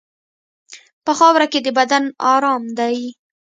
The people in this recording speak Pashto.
په خاوره کې د بدن ارام دی.